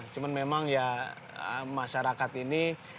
cuma memang ya masyarakat ini